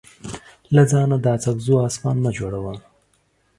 له ځانه د اڅکزو اسمان مه جوړوه.